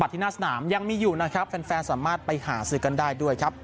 ที่หน้าสนามยังมีอยู่นะครับแฟนสามารถไปหาซื้อกันได้ด้วยครับ